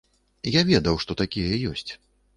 Я ведаў, што такія ёсць.